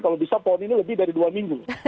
kalo bisa pon ini lebih dari dua minggu